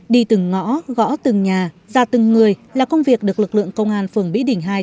đi từng ngõ gõ từng nhà ra từng người là công việc được lực lượng công an phường mỹ đình hai